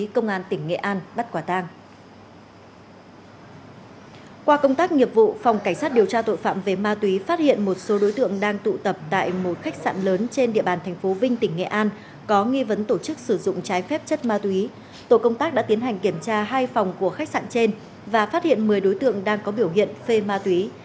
có nghi vấn tổ chức sử dụng trái phép chất ma túy tổ công tác đã tiến hành kiểm tra hai phòng của khách sạn trên và phát hiện một mươi đối tượng đang có biểu hiện phê ma túy